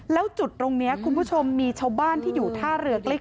แล้วจุดตรงนี้คุณผู้ชมมีชาวบ้านที่อยู่ท่าเรือใกล้